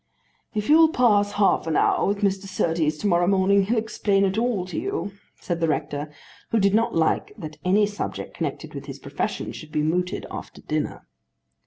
"If you'll pass half an hour with Mr. Surtees to morrow morning, he'll explain it all to you," said the rector, who did not like that any subject connected with his profession should be mooted after dinner.